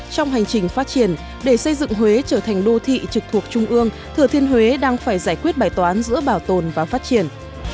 trong hành trình phát triển để xây dựng huế trở thành đô thị trực thuộc trung ương thừa thiên huế đang phải giải quyết bài toán giữa bảo tồn và phát triển